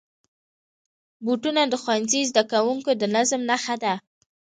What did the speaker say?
بوټونه د ښوونځي زدهکوونکو د نظم نښه ده.